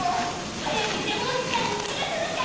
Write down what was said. はやくジャムおじさんにしらせなきゃ！